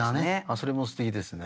それもすてきですね。